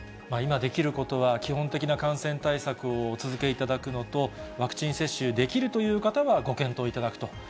今できることは基本的な感染対策をお続けいただくのと、ワクチン接種、できるという方はご検討いただくと。